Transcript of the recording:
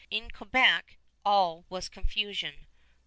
In Quebec all was confusion.